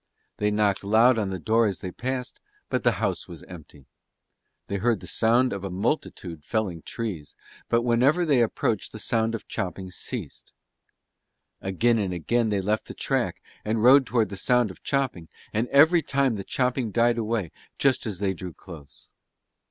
They knocked loud on the door as they passed but the house was empty. They heard the sound of a multitude felling trees, but whenever they approached the sound of chopping ceased. Again and again they left the track and rode towards the sound of chopping, and every time the chopping died away just as they drew close.